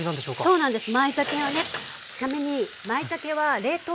そうなんです。